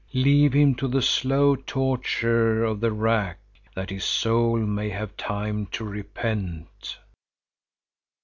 Leave him to the slow torture of the rack, that his soul may have time to repent."